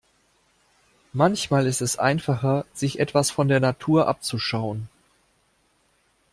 Manchmal ist es einfacher, sich etwas von der Natur abzuschauen.